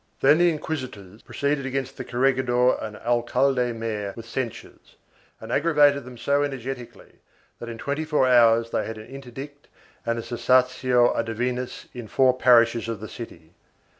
Then the inquisitors proceeded against the corregidor and alcalde mayor with censures, and aggravated them so energetically that in twenty four hours they had an interdict and cessatio a divinis in four parishes of the city.